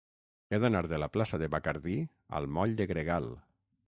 He d'anar de la plaça de Bacardí al moll de Gregal.